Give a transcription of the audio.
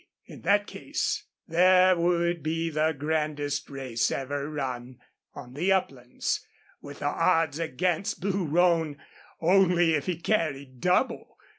In that case there would be the grandest race ever run on the uplands, with the odds against Blue Roan only if he carried double.